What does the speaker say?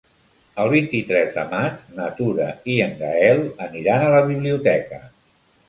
El vint-i-tres de maig na Tura i en Gaël aniran a la biblioteca.